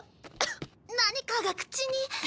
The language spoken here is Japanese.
何かが口に。